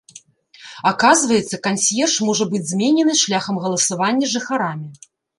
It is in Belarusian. Аказваецца, кансьерж можа быць зменены шляхам галасавання жыхарамі.